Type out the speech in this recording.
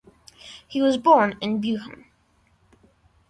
He was born in Buchen.